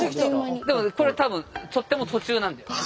でもこれ多分とっても途中なんだよね。